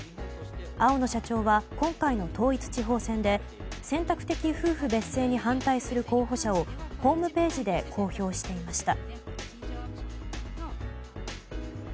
青野社長は今回の統一地方選で選択的夫婦別姓に反対する候補者をホームページで公表していました。